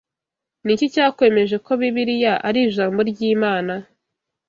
Ni iki cyakwemeje ko Bibiliya ari Ijambo ry’Imana?